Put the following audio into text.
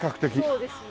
そうですね。